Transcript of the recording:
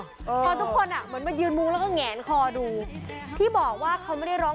พอทุกคนอ่ะเหมือนมายืนมุ้งแล้วก็แงนคอดูที่บอกว่าเขาไม่ได้ร้อง